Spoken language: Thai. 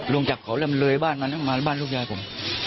ร่วงจากเขาอะไรมันเลยทั้งมาลูกยายผม